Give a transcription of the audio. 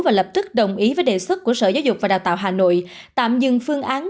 và lập tức đồng ý với đề xuất của sở giáo dục và đào tạo hà nội tạm dừng phương án